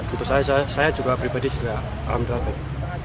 untuk saya saya juga pribadi juga alhamdulillah baik